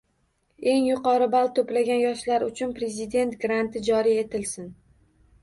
Eng yuqori ball toʻplagan yoshlar uchun Prezident granti joriy etilsin